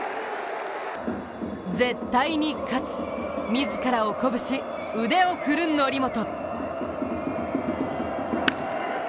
絶対に勝つ、自らを鼓舞し、腕を振る則本。